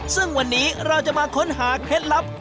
ซึ่งวันนี้เราจะมาค้นหาเคล็ดลับ